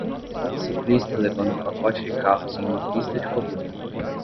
ciclista levando um pacote de carros em uma pista de corrida.